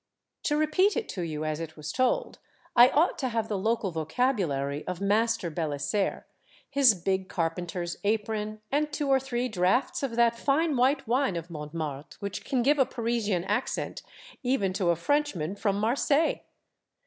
To repeat it to you as it was told, I ought to have the local vocabulary of Master Belisaire, his big carpenter's apron, and two or three draughts of that fine white wine of Mont martre, which can give a Parisian accent even to a Frenchman from Marseilles